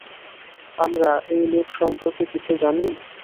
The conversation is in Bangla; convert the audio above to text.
আমরা এই লোক সম্পর্কে কিছু জানি?